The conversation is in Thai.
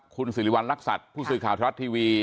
คุณสิริวัณรักษัตริย์ผู้สื่อข่าวทรัฐทีวี